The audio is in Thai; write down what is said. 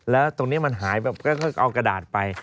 แล้วตรงนี้มันหายแบบก็เอากระดาษไป